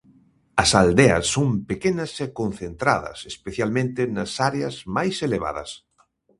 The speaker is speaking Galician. As aldeas son pequenas e concentradas, especialmente nas áreas máis elevadas.